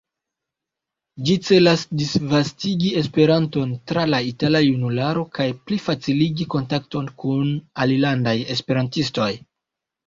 Ĝi celas disvastigi Esperanton tra la itala junularo, kaj plifaciligi kontakton kun alilandaj esperantistoj.